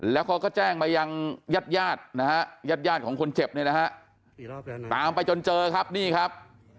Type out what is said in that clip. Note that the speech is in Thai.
แล้วเขาก็แจ้งมายังญาติญาตินะฮะญาติยาดของคนเจ็บเนี่ยนะฮะตามไปจนเจอครับนี่ครับ